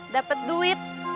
dapat duit dan membeli uang